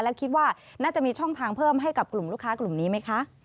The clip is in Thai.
แล้วคิดว่าน่าจะมีช่องทางเพิ่มให้กับกลุ่มลูกค้ากลุ่มนี้ไหมคะ